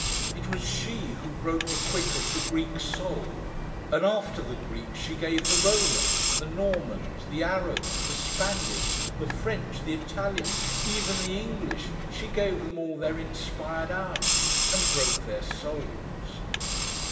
It was she who broke the quick of the Greek soul. And after the Greeks, she gave the Romans, the Normans, the Arabs, the Spaniards, the French, the Italians, even the English, she gave them all their inspired hour and broke their souls.